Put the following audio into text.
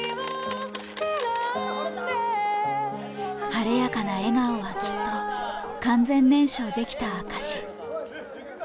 晴れやかな笑顔はきっと、完全燃焼できた証し。